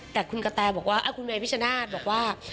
แต่คุณกะแตบอกว่าคุณเมพิชนาธิ์บอกว่า